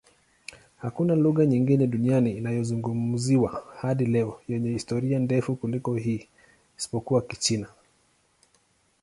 Hakuna lugha nyingine duniani inayozungumzwa hadi leo yenye historia ndefu kuliko hii, isipokuwa Kichina.